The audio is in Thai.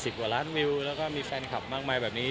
กว่าล้านวิวแล้วก็มีแฟนคลับมากมายแบบนี้